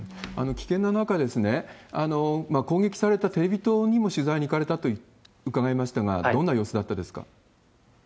危険な中、攻撃されたテレビ塔にも取材に行かれたと伺いましたが、どんな様子だったですか？